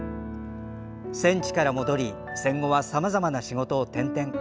戦地から戻り、戦後はさまざまな仕事を転々。